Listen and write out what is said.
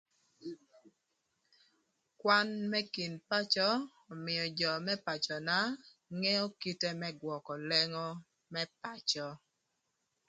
Kwan më kin pacö ömïö jö më pacöna ngeo kite më gwökö lengo më pacö.